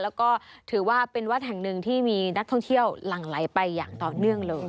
แล้วก็ถือว่าเป็นวัดแห่งหนึ่งที่มีนักท่องเที่ยวหลั่งไหลไปอย่างต่อเนื่องเลย